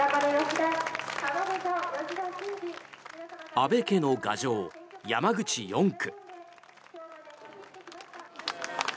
安倍家の牙城・山口４区。